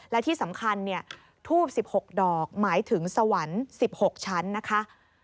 และที่สำคัญทูบ๑๖ดอกหมายถึงสวรรค์๑๖ชั้นนะคะ